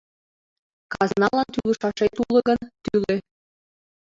Казналан тӱлышашет уло гын, тӱлӧ!